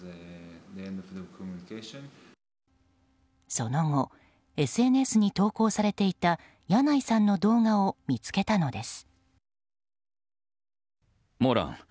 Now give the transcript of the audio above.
その後ＳＮＳに投稿されていたヤナイさんの動画を見つけたのです。